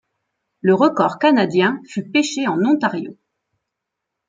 Le record canadien fut pêché en Ontario.